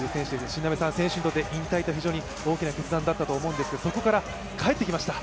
新鍋さん、選手にとって引退は非常に大きな決断だと思うんですが、そこから帰ってきました。